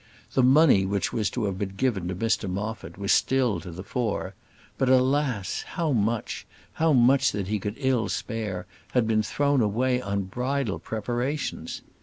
The money which was to have been given to Mr Moffat was still to the fore; but alas! how much, how much that he could ill spare, had been thrown away on bridal preparations!